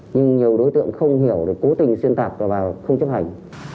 nhưng nhiều đối tượng không hiểu cố tình xuyên tạp và không chấp hành